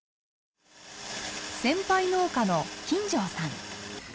先輩農家の金城さん。